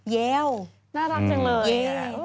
เยลน่ารักจังเลย